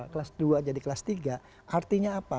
kelas dua jadi kelas tiga artinya apa